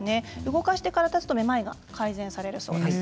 動かしてから立つとめまいが改善されるそうです。